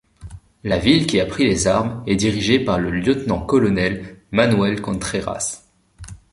La ville qui a pris les armes est dirigée par le lieutenant-colonel Manuel Contreras.